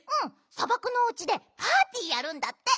さばくのおうちでパーティーやるんだって。